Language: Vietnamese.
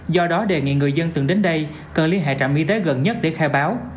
do đó đề nghị người dân từng đến đây cần liên hệ trạm y tế gần nhất để khai báo